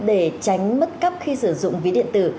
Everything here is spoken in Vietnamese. để tránh mất cắp khi sử dụng ví điện tử